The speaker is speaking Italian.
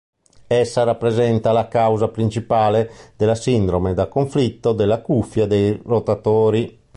Essa rappresenta la causa principale della sindrome da conflitto della cuffia dei rotatori.